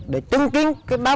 để chứng kiến